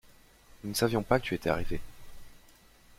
Nous ne savions pas que tu étais arrivé.